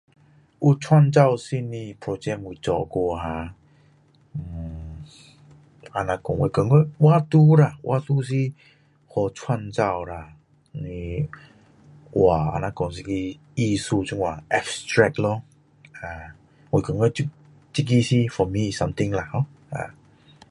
有创造性的 project 我做过啊呃就像说我觉得画图啦画图是去创造啦你画就像说是艺术这样 abstract 咯啊我觉得这这个是 for me something 啦 ho 啊